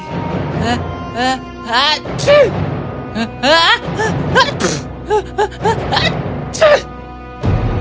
pangeran meskipun telah dilakukan tindakan pencegahan pangeran bersin sebanyak tiga kali